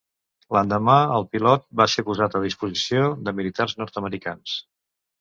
L'endemà el pilot va ser posat a disposició de militars nord-americans.